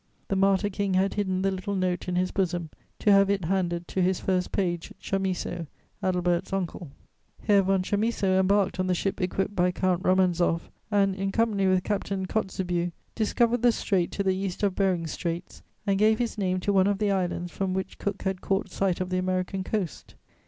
The Martyr King had hidden the little note in his bosom to have it handed to his first page, Chamisso, Adelbert's uncle. Herr von Chamisso embarked on the ship equipped by Count Romanzoff, and, in company with Captain Kotzebue, discovered the strait to the east of Behring's Straits and gave his name to one of the islands from which Cook had caught sight of the American coast.